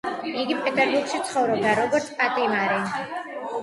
იგი პეტერბურგში ცხოვრობდა, როგორც პატიმარი.